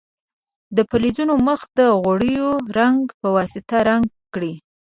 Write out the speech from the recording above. د فلزونو مخ د غوړیو رنګ په واسطه رنګ کړئ.